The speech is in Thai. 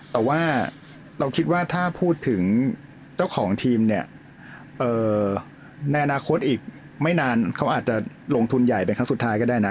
แต่ว่าเราคิดว่าถ้าพูดถึงเจ้าของทีมเนี่ยในอนาคตอีกไม่นานเขาอาจจะลงทุนใหญ่เป็นครั้งสุดท้ายก็ได้นะ